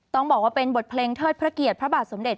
ต้องบอกว่าเป็นบทเพลงเทิดพระเกียรติพระบาทสมเด็จ